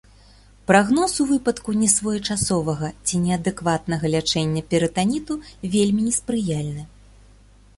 Прагноз у выпадку несвоечасовага ці неадэкватнага лячэння перытаніту вельмі неспрыяльны.